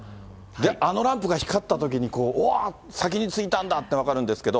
あのランプが光ったときに、うわー、先に突いたんだって分かるんですけど。